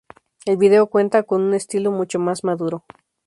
El video cuenta con un estilo mucho más maduro.